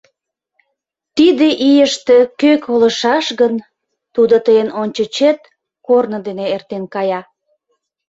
Тиде ийыште кӧ колышаш гын, тудо тыйын ончычет корно дене эртен кая.